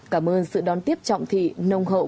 cảm ơn sự đón tiếp trọng thị nông hậu